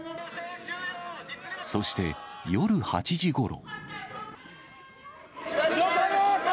そして夜８時ごろ。